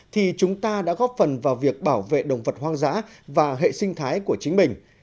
thì chúng ta đã góp phần vào việc bảo vệ động vật hoang dã và hệ sinh thái của chính mình